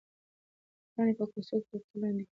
پاڼې په کوڅو کې تر پښو لاندې کېږي.